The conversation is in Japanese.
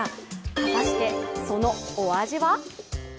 果たして、そのお味は？